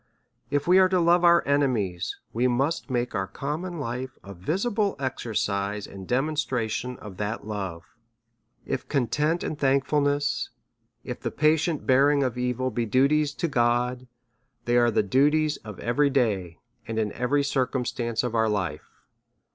If we are to love our enemies, we must make our common life a visible exercise and demonstration of that love. If content and thankfulness, if the pa tient bearing of evil be duties to God, they are the duties of every day, and in every circumstance of our life.